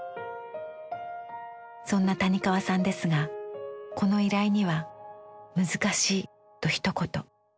そんな谷川さんですがこの依頼には「難しい」とひと言。